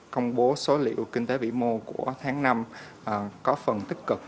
công bố số liệu kinh tế vĩ mô của tháng năm có phần tích cực